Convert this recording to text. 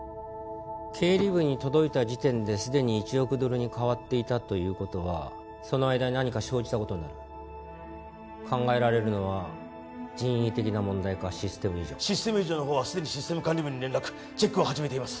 経理部に届いた時点ですでに１億ドルに変わっていたということはその間に何か生じたことになる考えられるのは人為的な問題かシステム異常システム異常のほうはすでにシステム管理部に連絡チェックを始めています